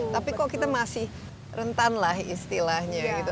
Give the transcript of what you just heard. tapi kok kita masih rentan lah istilahnya gitu